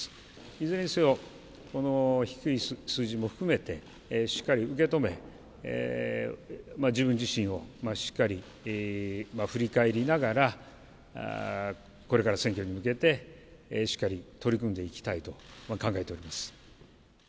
いずれにせよ、この低い数字も含めて、しっかり受け止め、自分自身をしっかり振り返りながら、これから選挙に向けて、しっかり取り組んでいきたいと考えております。